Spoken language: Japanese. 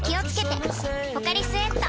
「ポカリスエット」